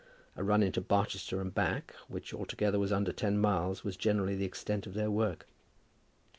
A run into Barchester and back, which altogether was under ten miles, was generally the extent of their work.